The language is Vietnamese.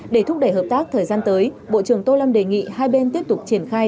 để thúc đẩy hợp tác thời gian tới bộ trưởng tô lâm đề nghị hai bên tiếp tục triển khai